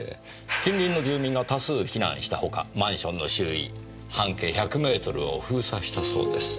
近隣の住民が多数避難したほかマンションの周囲半径１００メートルを封鎖したそうです。